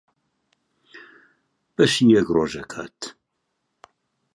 بەشی یەک ڕۆژ دەکات.